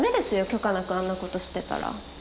許可なくあんなことしてたら。